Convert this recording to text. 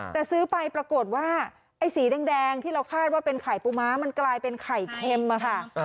แต่ซื้อไปปรากฏว่าไอ้สีแดงที่เราคาดว่าเป็นไข่ปูม้ามันกลายเป็นไข่เค็มอะค่ะ